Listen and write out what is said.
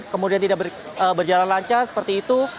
kemudian tidak berjalan lancar seperti itu